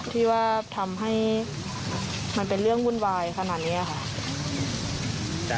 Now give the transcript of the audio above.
ที่ว่าทำให้มันเป็นเรื่องวุ่นวายขนาดนี้ค่ะ